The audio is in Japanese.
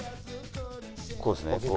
こうですね？